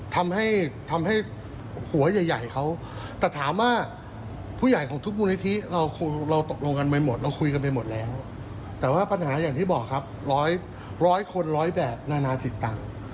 แต่ว่าปัญหาอย่างที่บอกร้อยคนร้อยแบบหนาจิตตาม